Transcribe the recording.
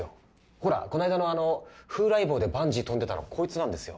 ほらこの間のあの『風来坊』でバンジーとんでたのこいつなんですよ。